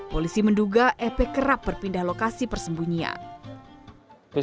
polisi menduga ep kerap berpindah lokasi persembunyian